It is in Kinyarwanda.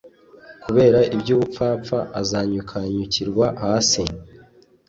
Kubera iby’ubupfapfa azanyukanyukirwa hasi